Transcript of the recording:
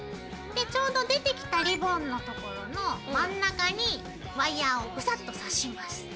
ちょうど出てきたリボンのところの真ん中にワイヤーをグサッと刺します。